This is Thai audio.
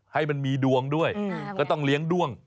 ให้มันมีดวงด้วยก็ต้องเลี้ยงด้วง